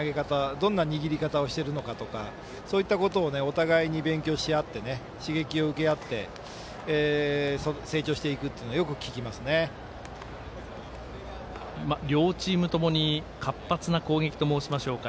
どんな握り方をしているのかとそういったことをお互いに勉強しあって刺激をし合って成長していくというのは両チームともに活発な攻撃と申しましょうか。